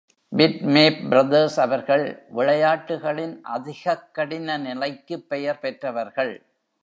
Bitmap Brothers அவர்கள் விளையாட்டுகளின் அதிகக் கடினநிலைக்குப் பெயர் பெற்றவர்கள்.